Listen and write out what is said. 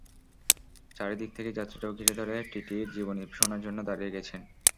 চারিদিক থেকে যাত্রীরাও ঘিরে ধরে টিটিইর জীবনী শোনার জন্য দাঁড়িয়ে গেছেন।